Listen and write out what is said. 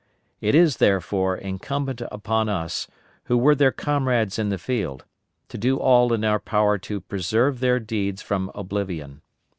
It is, therefore, incumbent upon us, who were their comrades in the field, to do all in our power to preserve their deeds from oblivion.